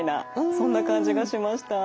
そんな感じがしました。